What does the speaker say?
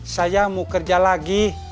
saya mau kerja lagi